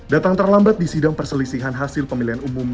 datang terlambat di sidang perselisihan hasil pemilihan umum